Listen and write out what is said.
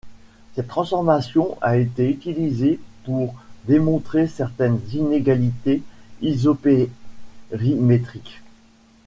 Cette transformation a été utilisée pour démontrer certaines inégalités isopérimétriques.